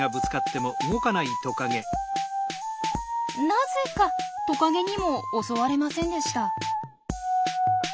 なぜかトカゲにも襲われませんでした。